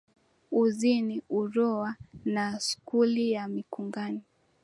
Uzini, Uroa na Skuli ya Mikunguni.